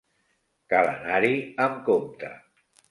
Cal anar-hi amb compte.